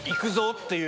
っていう。